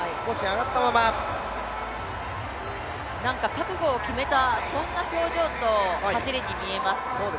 覚悟を決めた、そんな表情と走りに見えます。